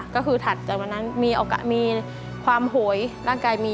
ก็คือถัดจนวันนั้นมีความโหยร่างกายมี